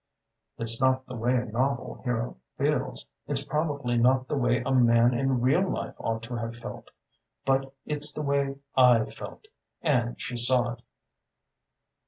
"It's not the way a novel hero feels; it's probably not the way a man in real life ought to have felt. But it's the way I felt and she saw it.